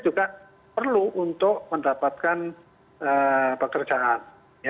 juga perlu untuk mendapatkan pekerjaan